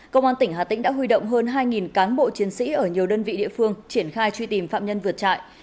công an tỉnh hà tĩnh đã huy động hơn hai cán bộ chiến sĩ ở nhiều đơn vị địa phương triển khai truy tìm phạm nhân vượt trại